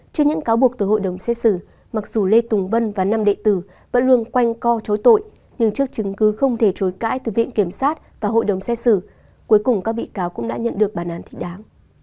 trước những cáo buộc từ hội đồng xét xử mặc dù lê tùng vân và nam đệ tử vẫn luôn quanh co chối tội nhưng trước chứng cứ không thể chối cãi từ viện kiểm sát và hội đồng xét xử cuối cùng các bị cáo cũng đã nhận được bản án thích đáng